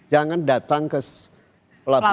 jangan datang ke pelabuhan